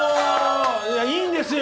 いやいいんですよ